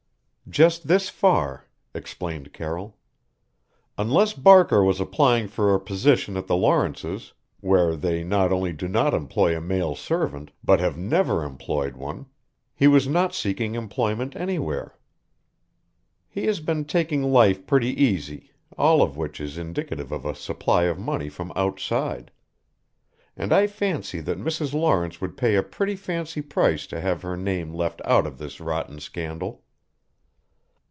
"Just this far," explained Carroll. "Unless Barker was applying for a position at the Lawrences where they not only do not employ a male servant, but have never employed one he was not seeking employment anywhere. He has been taking life pretty easy, all of which is indicative of a supply of money from outside. And I fancy that Mrs. Lawrence would pay a pretty fancy price to have her name left out of this rotten scandal."